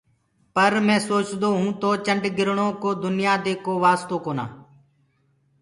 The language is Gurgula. پر مينٚ سوچدو هيوُنٚ تو چنڊگرڻو ڪو دنيآ دي ڪو واستو ڪونآ۔